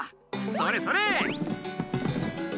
それそれ！